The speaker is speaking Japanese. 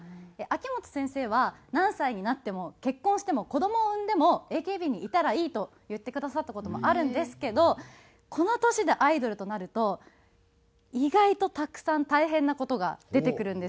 秋元先生は「何歳になっても結婚しても子どもを産んでもＡＫＢにいたらいい」と言ってくださった事もあるんですけどこの年でアイドルとなると意外とたくさん大変な事が出てくるんです。